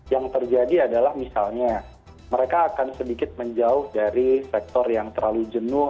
yang terjadi adalah misalnya mereka akan sedikit menjauh dari sektor yang terlalu jenuh